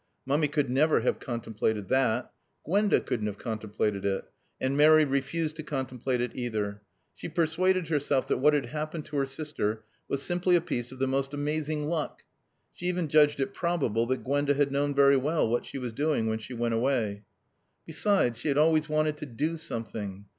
Mummy could never have contemplated that. Gwenda couldn't have contemplated it. And Mary refused to contemplate it either. She persuaded herself that what had happened to her sister was simply a piece of the most amazing luck. She even judged it probable that Gwenda had known very well what she was doing when she went away. Besides she had always wanted to do something.